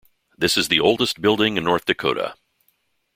This is the oldest building in North Dakota.